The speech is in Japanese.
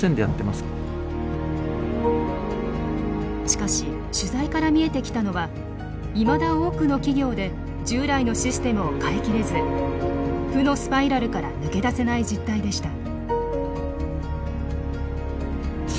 しかし取材から見えてきたのはいまだ多くの企業で従来のシステムを変え切れず負のスパイラルから抜け出せない実態でした。